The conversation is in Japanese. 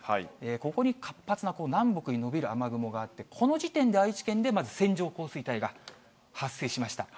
ここに活発な南北に延びる雨雲があって、この時点で愛知県でまず線状降水帯が発生しました。